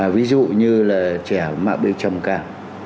ví dụ như là trẻ mạng biểu trầm cao